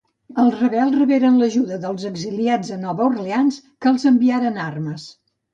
Els rebels reberen l'ajuda dels exiliats a Nova Orleans, que els enviaren armes.